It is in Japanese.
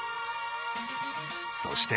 そして、